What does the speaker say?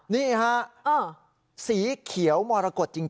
นี่ฮะสีเขียวมรกฏจริง